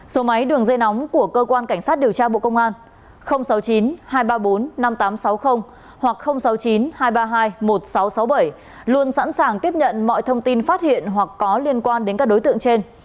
số máy đường dây nóng của cơ quan cảnh sát điều tra bộ công an sáu mươi chín hai trăm ba mươi bốn năm nghìn tám trăm sáu mươi hoặc sáu mươi chín hai trăm ba mươi hai một nghìn sáu trăm sáu mươi bảy luôn sẵn sàng tiếp nhận mọi thông tin phát hiện hoặc có liên quan đến các đối tượng trên